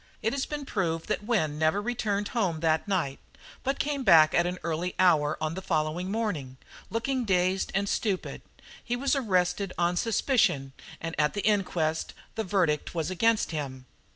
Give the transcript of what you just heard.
It has been proved that Wynne never returned home that night, but came back at an early hour on the following morning, looking dazed and stupid. He was arrested on suspicion, and at the inquest the verdict was against him."